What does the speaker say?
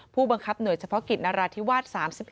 ผู้บังคับหน่วยเฉพาะกิจนราธิวาส๓๑